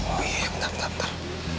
oh iya ya bentar bentar